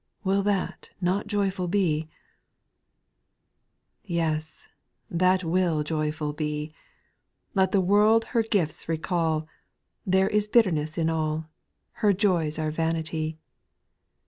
Will that not joyful be ? 6, Yes ! that will joyful be I Let the world her gifts recall, There is bitterness in all ; Her joys are vanity.